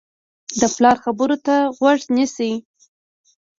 د پلار خبرو ته غوږ نیسي.